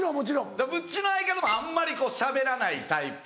うちの相方もあんまりしゃべらないタイプ。